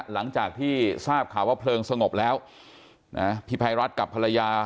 หลังจากที่ทราบข่าวว่าเพลิงสงบแล้วพี่ภัยรัฐกับภรรยา